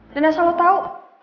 dan asal lo tau